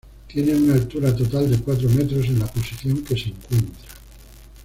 Tiene una altura total de cuatro metros en la posición que se encuentra.